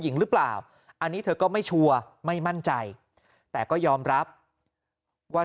หรือเปล่าอันนี้เธอก็ไม่ชัวร์ไม่มั่นใจแต่ก็ยอมรับว่า